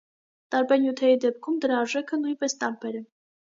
Տարբեր նյութերի դեպքում դրա արժեքը նույնպես տարբեր է։